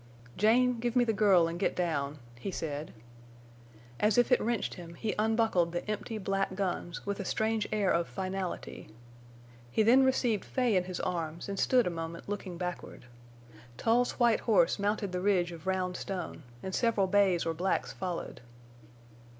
"Jane, give me the girl en' get down," he said. As if it wrenched him he unbuckled the empty black guns with a strange air of finality. He then received Fay in his arms and stood a moment looking backward. Tull's white horse mounted the ridge of round stone, and several bays or blacks followed.